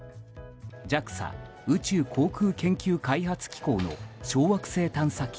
ＪＡＸＡ・宇宙航空研究開発機構の小惑星探査機